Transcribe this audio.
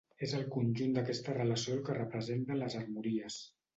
És el conjunt d'aquesta relació el que representen les armories.